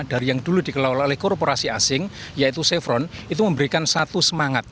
dari yang dulu dikelola oleh korporasi asing yaitu chevron itu memberikan satu semangat